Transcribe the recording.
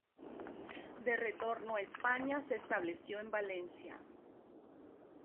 De retorno a España se estableció en Valencia.